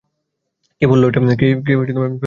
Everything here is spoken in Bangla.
কে ফেললো এটা?